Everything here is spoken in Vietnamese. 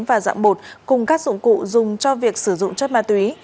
và dạng bột cùng các dụng cụ dùng cho việc sử dụng chất ma túy